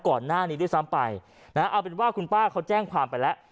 ก่อนหน้านี้ด้วยซ้ำไปนะเอาเป็นว่าคุณป้าเขาแจ้งความไปแล้ว